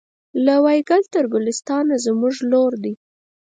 له وایګل تر ګلستانه زموږ لور دی